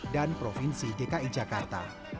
dan provinsi dki jakarta